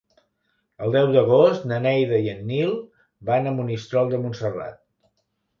El deu d'agost na Neida i en Nil van a Monistrol de Montserrat.